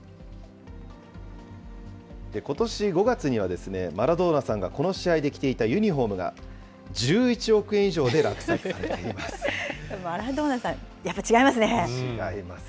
ことし５月には、マラドーナさんがこの試合で着ていたユニホームが、１１億円以上で落札されています。